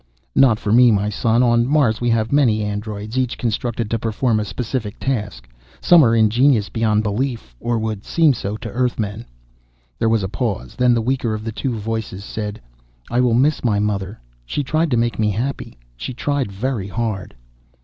"Not for me, my son. On Mars we have many androids, each constructed to perform a specific task. Some are ingenious beyond belief or would seem so to Earthmen." There was a pause, then the weaker of the two voices said, "I will miss my mother. She tried to make me happy. She tried very hard."